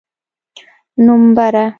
نومبره!